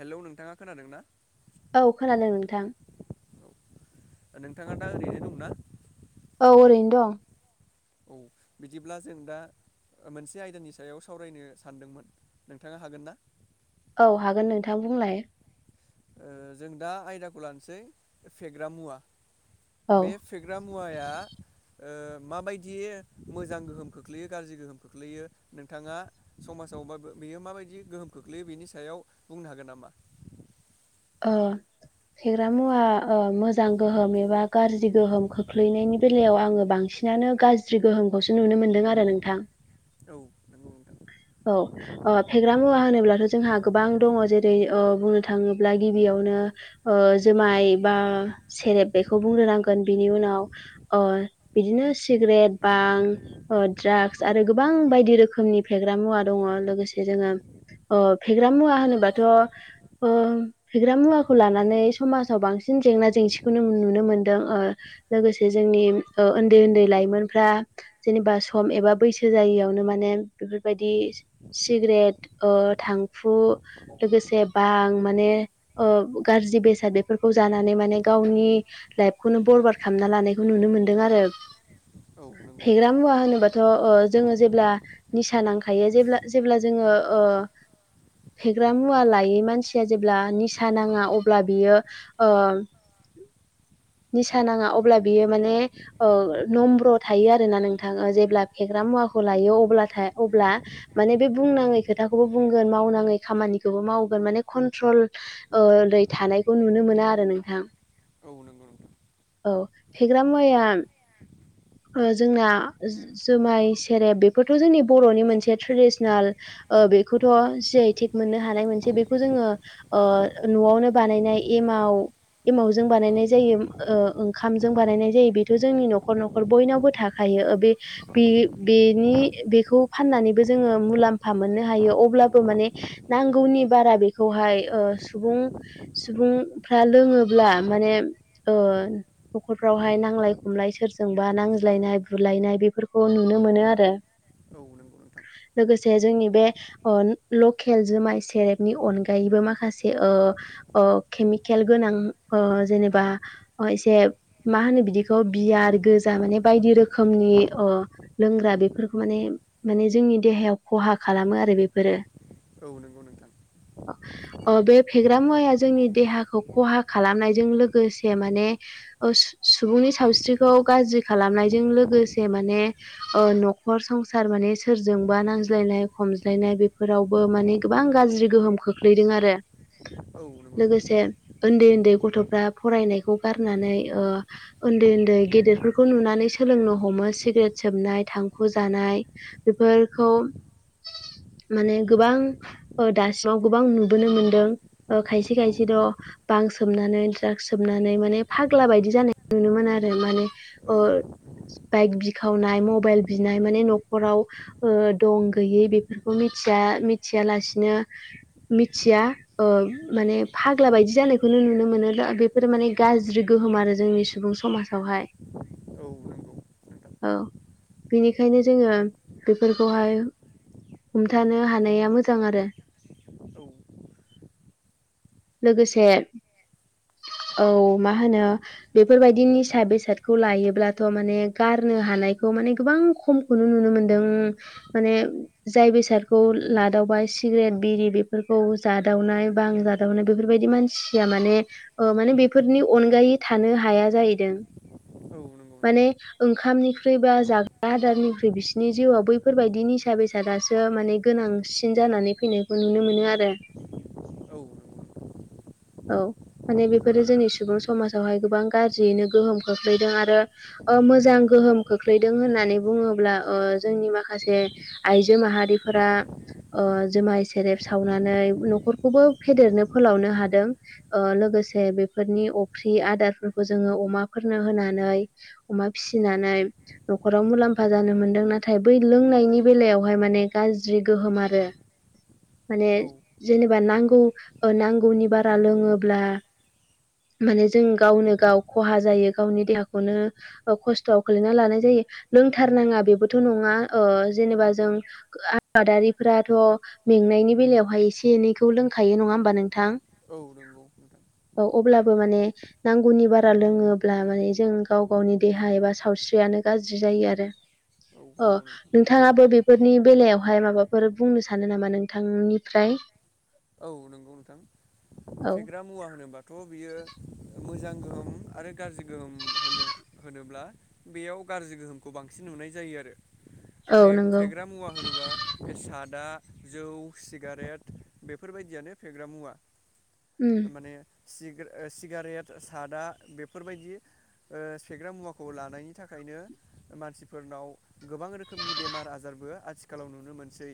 हेल नोंथाङा खोनादों ना औ खोनादों नोंथां औ नोंथाङा दा ओरैनो दंना औ ओरैनो दं औ बिदिब्ला जों दा मोनसे आयदानि सायाव सावरायनो सानदोंमोन नोंथाङा हागोन ना औ हागोन नोंथां बुंलाय जों दा आयदाखौ लानोसै फेग्रा मुवा औ बे फेग्रा मुवा मुवाया ओ माबायदिय मोजां गोहोम खोख्लैयो गाज्रि गोहोम खोख्लैयो नोंथाङा सम समासावबो बेयो माबायदि गोहोम खोख्लैयो बेनि सायाव बुंनो हागोन नामा औ फेग्रा मुवा ओ मोजां गोहोम एबा गाज्रि गोहोम खोख्लैनायनि बेलायाव आङो बांसिन बांसिनानो गाज्रि गोहोमखौसो नुनो मोनदों आरो नोंथां औ नंगौ नोंथां औ फेग्रा मुवा होनोब्लाथ' जोंहा गोबां दङ जेरै बुंनो थाङोब्ला गिबियाव बेखौनो ओ जुमाइ बा सेरेब बेखौनो बुंग्रा नांगोन बिनि उन बिदिनो सिगेट बां द्रागस आरो गोबां बायदि रोखनि साग्रा मुवा दङ लोगोसे जोङो फेग्रा मुवा होनोबाथ' फेग्रा मुवाखौ लानानै समाजाव बांसिन जेंना जेंसिखौनो नुनो मोनदों ओ लोगोसे जोंनि उन्दै उन्दै लाइमोनफ्रा जेनेबा सम एबा बैसो जायियावनो माने बेफोरबायदि सिगारेट थांखु लोगोसे बां माने गाज्रि बेसाद बेफोरखौ जानानै माने गावनि लाइफखौनो बरबार खालामना लानाय खौ नुनो मोनदों आरो औ नंगौ फेग्रा नोंथां मुवा होनोबाथ' जोङो जेब्ला निसा नांखायो जेब्ला जोङो ओ फेग्रा मुवा लायै मानसिया जेब्ला निसा नाङा अब्ला बियो ओ निसा नाङा अब्ला बियो माने ओ नम्र थायो आरोना नोंथां जेब्ला फेग्रा मुवा मुवाखौ लायो अब्लाथाय अब्ला माने बे बुंनाङै खोथाखौबो बुंगोन मावनाङै खामानिखौबो मावगोन माने कन्ट्रलै थानायखौ नुनो मोना आरो नोंथां औ नंगौ नोंथां औ फेग्रा मुवाया जोंना जुमाय सेरेब बेफोरथ' जोंनि बर'नि मोनसे ट्रेडिसनेल ओ बेखौथ' जि आइ थेक मोननो हानाय मोनसे बेखौ जोङो ओ न'आवनो बानायनाय एम माव एमावजों औ बानायनाय जायो ओंखाम जों बानायनाय जायो बेथ' जोंनि न'खर न'ख खर बयनावबो थाखायो ओ बे-बे-बेनि बेखौ फाननानैबो जोङो मुलाम्फा मोननो हायो अब्लाबो माने नांगौनि बारा बेखौहाय सुबुं ओ सुबु फ्रा लोंङोब्ला माने ओ नखफ्रावहाय नांलाय खमलाय सोरजों जोंबा नांज्लायनाय बुलायनाय बेफोरखौ नुनो मोनो आरो औ नंगौ नोंथां लोगोसे जोंनि बे ओ लकेल जुमाय सेरेबनि अनगायैबो माखासे ओ ओ केमिकेल गोनां ओ जेनेबा एसे मा होनो बिदिखौ बियार गोजा माने बायदि रोखोमनि अ लोंग्रा बेफोरखौ माने जोंनि देहायाव खहा खहा खालामो आरो बेफोरो औ नंगौ नोंथां अ ओ बे फेग्रा मुवाया जोंनि देहाखौ खहा खालामनायजों लोगोसे माने ओ सुबुंनि सावस्रि खौ गाज्रि खालामनायजों लोगोसे माने ओ न'खर संसार माने सोरजोंबा नां नांज्लायनाय खमज्लायनाय बेफोरावबो माने गोबां गाज्रि गोहोम खोख्लैदों आरो औ नंगौ लोगोसे नोंथां उन्दै उन्दै गथ'फ्रा फरायनायखौ गारनानै ओ उन्दै उन्दै गेदेरफोरखौ नुनानै सोलोंनो हमो सिगारेट सोबनाय थांखु' जानाय बेफोरखौ [inaudible] माने गोबां दासिमाव गोबां नुबोनो मोनदों ओ खायसे औ खायसे थ' बां सोमनानै द्राग्स सोबनानै माने फाग्ला बायदि जानाय नुनो मोनो आरो माने ओ औ बाइक बिखावनाय मबाइल बिनाय माने न'खराव ओ दं गैयै बेफोरखौ मिथ थिया मिथियालासिनो मिथिया ओ माने फाग्ला बायदि जानायखौनो नुनो मोनो बेफोरो माने गाज्रि गो गोहोम आरो जोंनि सुबुं समाजावहाय औ नोंगौ औ बेनिखायनो जोङो बेफोरखौहाय हमथानो हानाया मोजां आरो औ लोगोसे औ मा होनो बेफोरबायदि निसा बेसाद खौ लायोब्लाथ' माने गारनो हानायखौ माने गोबां खमखौनो नुनो मोनदों माने जाय बेसादखौ लादावबाय सिगारेट बिरि बेफोरखौ जादावनाय बां जादावनाय बेफोरबायदि मानसिया माने ओ माने बेफोरनि अनगायै थानो हाया जायैदों औ नंगौ नोंथां माने ओंखामनि ख्रुइ बा जाग्रा आदारनिख्रुइ बिसोरनि जिउआव बैफोरबायदि निसा बेसादासो माने गोनांसिन जा जानानै फैनायखौ नुनो मोनो आरो औ नंगौ नोंथां औ माने बेफोरो जोंनि सुबुं समाजावहाय गोबां गाज्रियैनो गोहोम खोख्लैदों आरो ओ मोजां गोहोम खोख्लैदों होननानै बुङोब्ला ओ जोंनि माखासे आइजो माहारि फोरा ओ जुमाइ सेरेब सावनानै न'खरखौबो फेदेरनो फोलावनो हादों ओ लोगोसे बेफोरनि अफ्रि आदारफोरखौ जोङो अमाफोरनो होनानै अमा फिसिनानै न'खराव मुलाम्फा जानो मोनदों नाथाय बै लोंनायनि बेलायावहाय माने गाज्रि गोहोम आरो [inaudible] माने जेनेबा नांगौ ओ नांगौनि बारा लोङोब्ला माने जों गावनो गाव खहा जायो गावनि देहाखौनो ओ खस्थ'वाव खोलैना लानाय जायो लोंथारनाङा बेबोथ' नङा ओ जेनेबा जों आबादारिफोराथ' मेंनायनि बेलायावहाय एसे एनैखौ लोंखायो नङा होमबा नोंथां औ नंगौ नोंथां औ अब्लाबो माने नांगौनि बारा लोङोब्ला माने जों गाव गावनि देहा एबा सावस्रियानो गाज्रि जा यो आरो औ नंगौ नोंथां नोंथाङाबो बे फोरनि बेलायावहाय माबाफोर बुंनो सानो नामा नोंथांनिफ्राय औ नंगौ नोंथां औ फेग्रा मुवा होनोबा थ' बियो मोजां गोहोम आरो गाज्रि गोहोम होनो होनोब्ला बेयाव गाज्रि गोहोमखौ बांसिन नुनाय जायो आरो औ नंगौ फे-फेग्रा मुवा होनोबा बे सादा जौ सिगारेट बेफोरबायदियानो फेग्रा मुवा उम थारमाने सिग्रे ओ सिगारेट सादा बेफोरबायदि ओ फेग्रा मुवाखौ लानायनि थाखायनो मानसिफोरनाव गोबां रोखोमनि बेमार आजार बो आथिखालाव नुनो मोनसै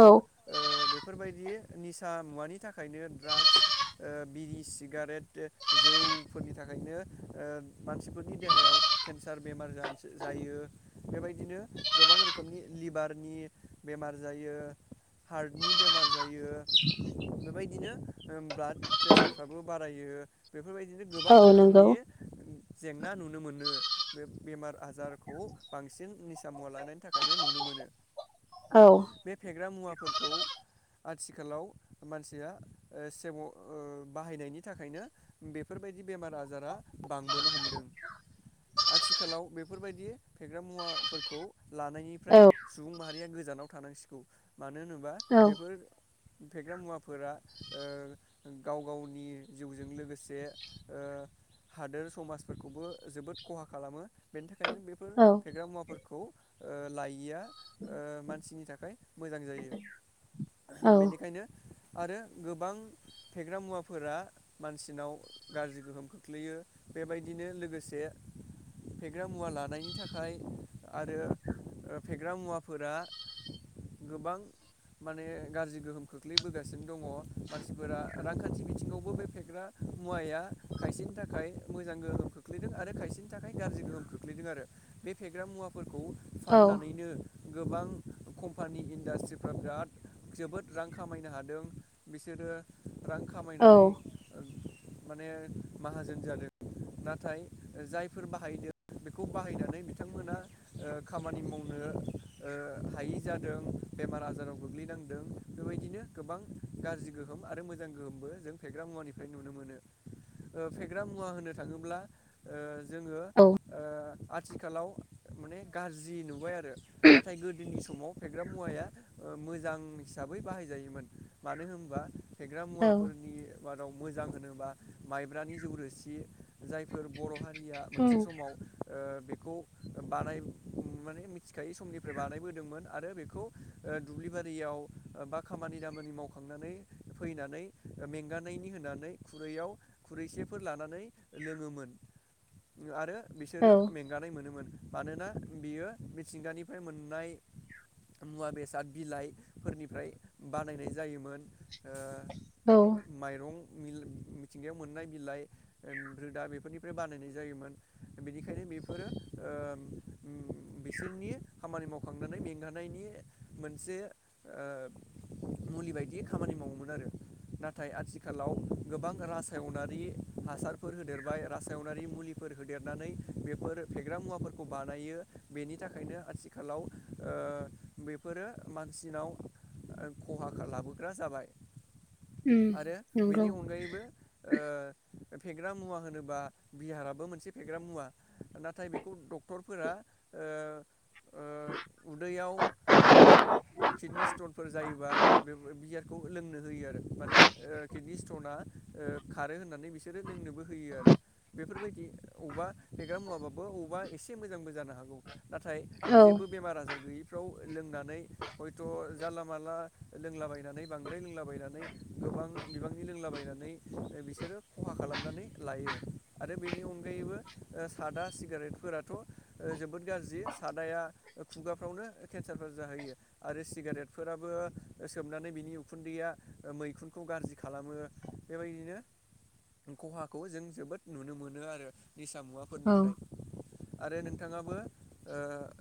औ ओ बे फोरबायदि निसा मुवानि थाखायनो ड्राग्स ओ बिरि सिगारेट जौ फोरनि थाखायनो मानसिफोरनि देहायाव केन्सार बेमार जायो बे बेदिनो गोबां रोखोमनि लिभारनि बेमार जायो हार्टनि बेमार जायो बेबायदिनो ब्लाड प्रेसारफ्राबो बारायो बेफोरबायदिनो गोबां औ नंगौ रोखोमनि जेंना नुनो मोनो बे बेमार आजारखौ बांसिन निसा मुवा लाना नि थाखायनो नुनो मोनो औ बे फेग्रा मुवाफोरखौ आथिखालाव मानसिया सेम' ओ बाहायनायनि थाखायनो बे बेफोरबायदि बेमार आजारा बांबोनो हमदों आथिखालाव बेफोरबायदि फेग्रा मुवाफोरखौ लानायनिफ्राय औ सुबुं माहारिया गोजानाव थानांसिगौ मानो होनोबा औ बेफोर फेग्रा मुवाफोरा ओ गाव गावनि जिउजों लोगोसे ओ हादोर समाजफोरखौबो जोबोद खहा खालामो बेनि था खायनो बेफोर औ फेग्रा मुवाफोरखौ ओ लायैया ओ मानसिनि थाखाय मोजां जायो औ बेनिखायनो आरो गोबां फेग्रा मुवाफोरा मानसिनाव गाज्रि गोहोम खोख्लैयो बेबायदिनो लोगोसे फेग्रा मुवा लानायनि थाखाय आरो फेग्रा मुवाफोरा गोबां माने गाज्रि गोहोम खोख्लैबोगासिनो दङ मानसिफोरा रांखान्थि बिथिङावबो बे फेग्रा मुवाया खायसेनि थाखाय मोजां गोहोम खोख्लैदों आरो खायसेनि थाखाय गाज्रि गोहोम खोख्लैदों आरो बे फेग्रा मुवाफोरखौ औ फाननानैनो गोबां कम्पानि इन्डास्ट्रिफ्रा बिराद जोबोद रां खामायनो हादों बिसोरो रां औ खामायनानै माने माहाजोन जादों नाथाय जायफोर बाहायदों बेखौ बाहायनानै बिथांमोना अ खामानि मावनो अ हायै जादों बेमार आजाराव गोग्लै नांदों बेबायदिनो गोबां गाज्रि गो अ फेग्रा मुवा होनो थाङोब्ला ओ जोङो ओ औ आथिखालाव माने गाज्रि नुबाय आरो नाथाय गोदोनि समाव फेग्रा मुवाया ओ मोजां हिसाबै बाहायजायोमोन मानो होनबा फेग्रा औ मुवाफोरनि मादाव मोजां होनोबा माइब्रानि जौरोसि जायफोर बर' हारि औ मोनसे समाव ओ बे खौ बानाय माने मिथिखायि समनिफ्राय बानायबोदोंमोन आरो बेखौ दुब्लि बारियाव बा खामानि दामानि मावखांनानै फैनानै मेंगानायनि होनानै खुरैयाव खुरैसेफोर लानानै लोङोमोन आरो औ बिसोरो मेंगानाय मोनोमोन मानोना बियो मिथिंगानिफ्राय मोननाय मुवा बेसाद बिलाइफोरनिफ्राय बानायनाय जायोमोन अ औ माइरं मिल मिथिंगायाव मोननाय बिलाइ अ रोदा बेफोरनिफ्राय बानायनाय जायोमोन बेनिखायनो बेफोरो अ बिसोरनि खामानि मावखांनानै मेंगानायनि मोनसे अ मुलि बायदि खामानि मावोमोन आरो नाथाय आथिखालाव गोबां रासायनारि हासारफोर होदेरबाय रासायनारि मुलिफोर होदेर नानै बेफोर फेग्रा मुवाफोरखौ बानायो बेनि थाखायनो आथिखालाव अ बेफ फोरो मानसिनाव खहा लाबोग्रा जाबाय उम आरो बेनि नंगौ अनगायैबो अ फेग्रा मुवा होनोबा बिहाराबो मोनसे फेग्रा मुवा नाथाय बेखौ डक्टरफोरा अ अ उदैयाव माने किडनि स्टनफोर जायोबा बे बियारखौ लोंनो होयो आरो माने अ कित नि स्टना अ खारो होननानै बिसोरो लोंनोबो होयो आरो बेफोरबायदि अबा फेग्रा मुवाबाबो अबा एसे मोजांबो जानो हागौ नाथाय औ जेबो बेमार आजार गैयिफ्राव लोंनानै हयथ' जानला माला लोंलाबायनानै बांद्राय लोंलाबायनानै गोबां बिबांनि लोंलाबायनानै बिसोरो खहा खालामनानै लायो आरो बेनि अनगायैबो सादा सिगारेटफोराथ' जोबोद गाज्रि सादाया खुगाफ्रावनो केन्सारफोर जाहैयो आरो सिगारेटफोराबो सोमनानै बिनि उखुन्दैया मैखुनखौ गाज्रि खालामो बेबायदिनो खहाखौ जों जोबोद नुनो मोनो आरो निसा औ मुवाफोरनिफ्राय आरो नोंथाङाबो अ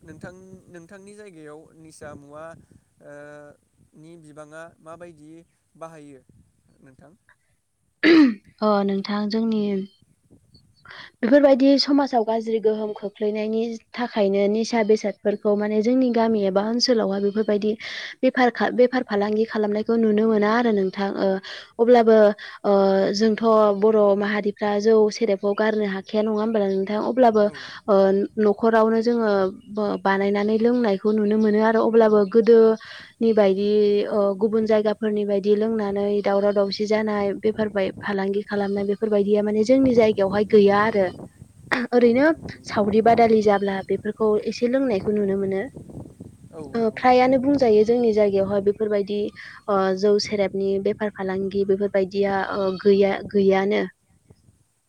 नोंथां नोंथांनि जायगा गायाव निसा मुवा अ नि बिबाङा माबायदि बाहायो नोंथां अ नोंथां जोंनि [unintelligible] बेफोरबायदि समाजाव गाज्रि गोहोम खोख्लैनायनि थाखायनो निसा बेसादफोरखौ माने जोंनि गामि एबा ओनसोलावहाय बेफोरबायदि बेफार बेफार फालांगि खालामनायखौ नुनो मोना आरो नोंथां अब्लाबो अ जोंथ' बर' माहारिफ्रा जौ सेरेब खौ गारनो हाखाया नङा हबाल नोंथाङा अब्लाबो औ अ नख नखरावनो जोङो बानायनानै लोंनायखौ नुनो मोनो आरो अब्लाबो गोदो नि बायद दि गुबुन जायगाफोरनि बायदि लोंनानै दावराव दावसि जानाय बेफार फालांगि खालाम। खालामनाय बेफोरबायदिया माने जोंनि जायगा बेयावहाय गैया आरो औ ओरैनो नंगौ सावरि नोंथां बादालि जा ब्ला बेफोरखौ एसे लोंनायखौ नुनो मोनो औ अ नंगौ नोंथां फ्रायानो बुं जायो जोंनि जायगायावहाय बेफोरबायदि अ जौ सेरेबनि बेफार फालांगि बेफोरबायदिया अ गैया गैयानो। [inaudible]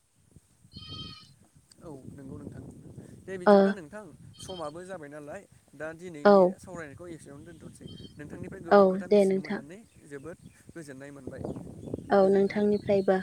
औ नंगौ नोंथां दे ओ बिदिब्ला नोंथां समाबो जाबाय नालाय दा औ दिनैनि सावरायनायखौ। खौ एसेयावनो दोन्थ'सै नोंथांनिफ्राय औ गोबां खोथा दे मिथिनो नोंथां मोननानै जोबोद गोजोननाय मोनबाय। औ गोजोन्थों नोंथां नोंथांनिफ्रायबो